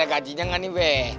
ada gajinya gak nih be